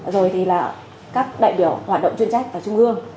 rồi thì là các đại biểu hoạt động chuyên trách ở trung ương